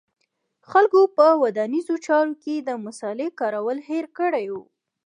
خلکو په ودانیزو چارو کې د مصالې کارول هېر کړي و